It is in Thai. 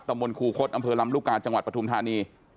มนตูคศอำเภอลำลูกกาจังหวัดปฐุมธานี